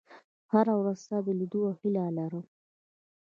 • هره ورځ ستا د لیدو هیله لرم.